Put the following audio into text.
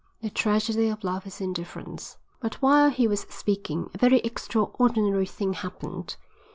The tragedy of love is indifference." But while he was speaking a very extraordinary thing happened.